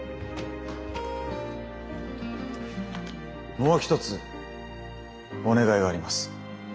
もう一つお願いがあります。